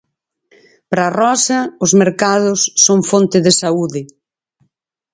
Para Rosa, os mercados son fonte de saúde.